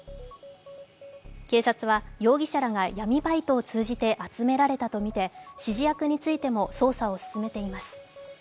警察は容疑者らが闇バイトを通じて集められたとみて指示役についても捜査を進めています。